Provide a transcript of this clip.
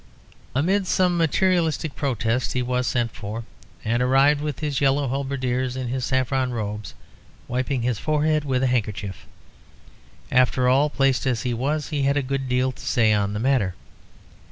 Amid some materialistic protests he was sent for, and arrived with his yellow halberdiers in his saffron robes, wiping his forehead with a handkerchief. After all, placed as he was, he had a good deal to say on the matter.